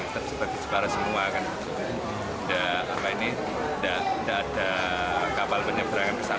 seperti jepara semua tidak ada kapal penyeberangan kesana